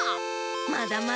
まだまだ！